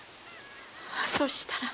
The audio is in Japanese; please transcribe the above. そしたら。